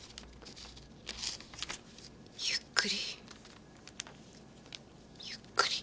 ゆっくりゆっくり。